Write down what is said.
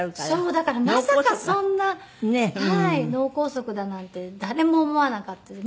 だからまさかそんな脳梗塞だなんて誰も思わなかったです。